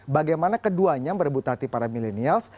bagaimana keduanya merebut hati para milenials